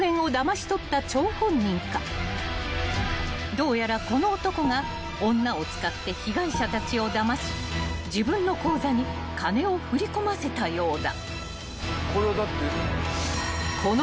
［どうやらこの男が女を使って被害者たちをだまし自分の口座に金を振り込ませたようだ］